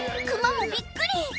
クマもびっくり！